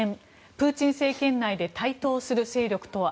プーチン政権内で台頭する勢力とは。